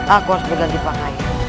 aku harus berganti pakaian